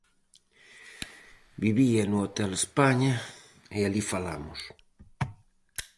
Vivía no Hotel España e alí falamos.